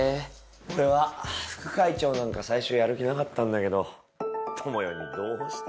俺は副会長なんか最初やる気なかったんだけど知世にどうしても俺が。